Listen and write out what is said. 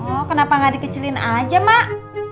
oh kenapa gak dikecilin aja mak